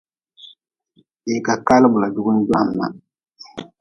Hii ka kaalin bula jugun gwahmna.